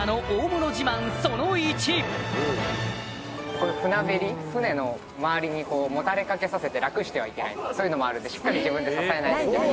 これ船べり船の周りにもたれ掛けさせて楽してはいけないそういうのもあるんでしっかり自分で支えないといけない。